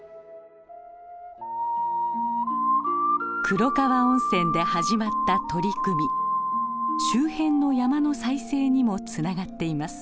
黒川温泉で始まった取り組み周辺の山の再生にもつながっています。